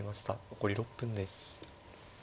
残り６分です。